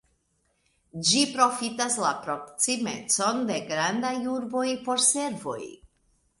Ĝi profitas la proksimecon de grandaj urboj por servoj.